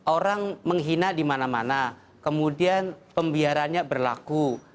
orang menghina di mana mana kemudian pembiarannya berlaku